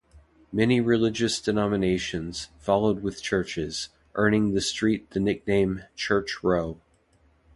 Many religious denominations followed with churches, earning the street the nickname Church Row.